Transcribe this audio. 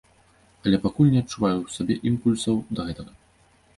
Але пакуль не адчуваю ў сабе імпульсаў да гэтага.